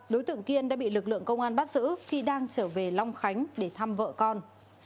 đối tượng kiên đã bị lực lượng công an bắt giữ khi đang trở về long khánh để thăm vợ con